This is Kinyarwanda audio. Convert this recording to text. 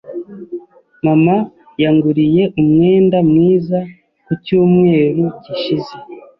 Mama Yanguriye umwenda mwiza ku cyumweru gishize.